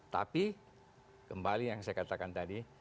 tapi kembali yang saya katakan tadi